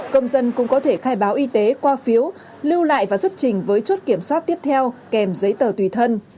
công dân cũng có thể khai báo y tế qua phiếu lưu lại và xuất trình với chốt kiểm soát tiếp theo kèm giấy tờ tùy thân